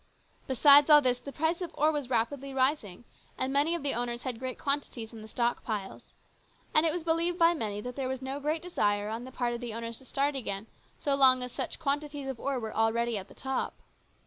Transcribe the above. Besides all this, the price of ore was rapidly rising, and many of the owners had great quantities in the stock piles, and it was believed by many that there was no great desire on the part of the owners to start again so long as such large quantities of ore were already at the top.